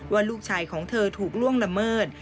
ว่าลูกชายของเธอถูกล่วงละเมิด